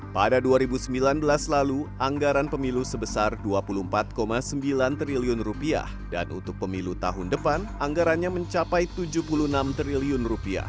pada dua ribu sembilan belas lalu anggaran pemilu sebesar rp dua puluh empat sembilan triliun dan untuk pemilu tahun depan anggarannya mencapai rp tujuh puluh enam triliun